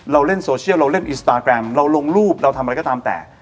เราเล่นโซเชียลเราเล่นอินสตาแกรมเราลงรูปเราทำอะไรก็ตามแต่